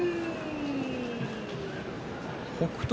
北勝